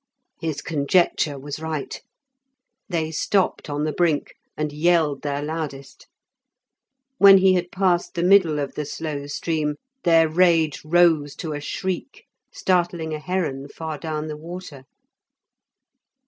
His conjecture was right; they stopped on the brink, and yelled their loudest. When he had passed the middle of the slow stream their rage rose to a shriek, startling a heron far down the water.